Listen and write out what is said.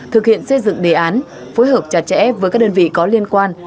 thực hiện xây dựng đề án phối hợp chặt chẽ với các đơn vị có liên quan